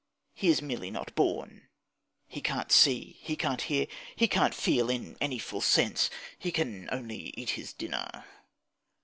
He is merely not born. He can't see; he can't hear; he can't feel, in any full sense. He can only eat his dinner.